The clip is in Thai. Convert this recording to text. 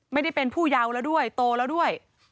ไม่ได้เป็นผู้เยาว์แล้วด้วยโตแล้วด้วย